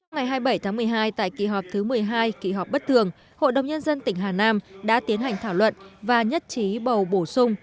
ngày hai mươi bảy tháng một mươi hai tại kỳ họp thứ một mươi hai kỳ họp bất thường hội đồng nhân dân tỉnh hà nam đã tiến hành thảo luận và nhất trí bầu bổ sung